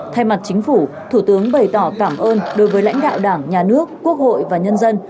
thay mặt chính phủ thủ tướng bày tỏ cảm ơn đối với lãnh đạo đảng nhà nước quốc hội và nhân dân